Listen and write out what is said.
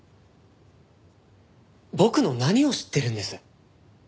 僕の何を知ってるんです？